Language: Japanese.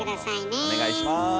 お願いします。